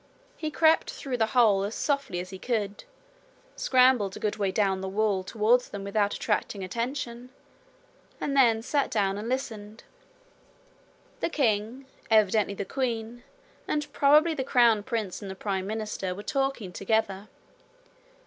He crept through the hole as softly as he could, scrambled a good way down the wall towards them without attracting attention, and then sat down and listened. The king, evidently the queen, and probably the crown prince and the Prime Minister were talking together.